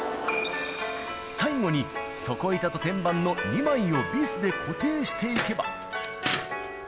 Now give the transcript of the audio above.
最後に底板と天板の２枚をビスで固定していけば。